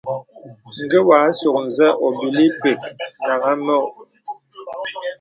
Ngé wà àsôk nzə óbīlí pə́k nàŋha mə.